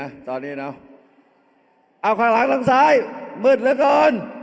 แม้ความรักมันอบอวนไปทั้งห้องนี้เลยนะนี่นะตอนนี้เนาะ